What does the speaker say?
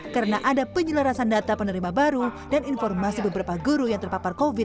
karena ada penyelarasan data penerima baru dan informasi beberapa guru yang terpapar covid sembilan belas